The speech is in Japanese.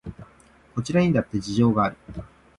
こちらにだって事情がある